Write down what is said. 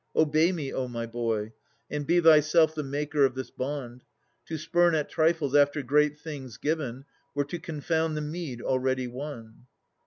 Obey me, O my boy! And be thyself the maker of this bond. To spurn at trifles after great things given, Were to confound the meed already won.